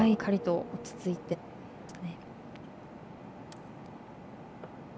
しっかりと落ち着いてましたね。